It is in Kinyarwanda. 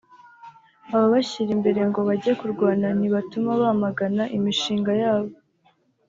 Ababashyira imbere ngo bajye kurwana ntibatuma bamagana imishinga yabo